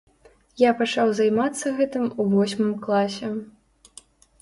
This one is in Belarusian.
Я пачаў займацца гэтым у восьмым класе.